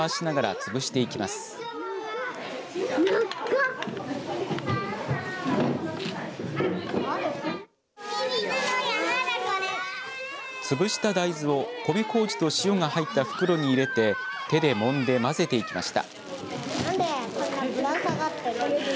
潰した大豆を米こうじと塩が入った袋に入れて手でもんで混ぜていきました。